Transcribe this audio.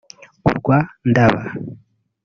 urwa Ndaba